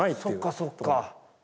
そっかそっか。